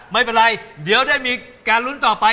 ไม่เป็นไรเดี๋ยวได้มีการลุ้นต่อไป